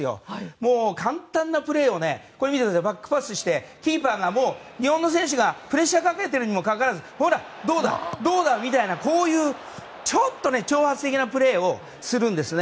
もう簡単なプレーをバックパスしてキーパーが日本の選手がプレッシャーかけてるにもかかわらずほら、どうだ、どうだみたいなちょっと挑発的なプレーをするんですね。